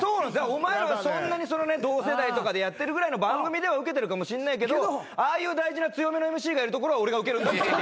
お前らがそんなに同世代とかでやってるぐらいの番組ではウケてるかもしんないけどああいう大事な強めなＭＣがいるところは俺がウケる。